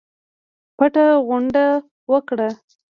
پټه غونډه وکړه.